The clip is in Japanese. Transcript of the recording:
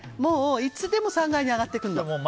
いつでも３階に上がってくるの。